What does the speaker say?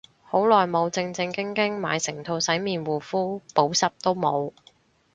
好耐冇正正經經買成套洗面護膚，補濕都冇